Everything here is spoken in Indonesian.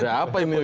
ada apa ini